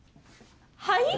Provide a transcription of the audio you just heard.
はい？